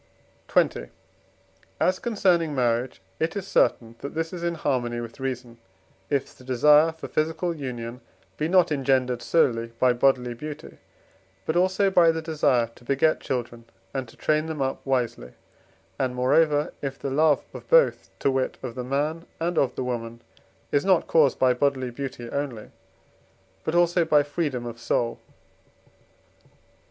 XX. As concerning marriage, it is certain that this is in harmony with reason, if the desire for physical union be not engendered solely by bodily beauty, but also by the desire to beget children and to train them up wisely; and moreover, if the love of both, to wit, of the man and of the woman, is not caused by bodily beauty only, but also by freedom of soul.